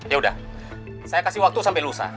ya udah saya kasih waktu sampai lusa